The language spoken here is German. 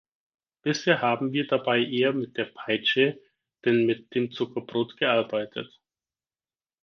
Bisher haben wir dabei eher mit der Peitsche denn mit dem Zuckerbrot gearbeitet.